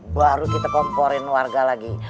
baru kita komporin warga lagi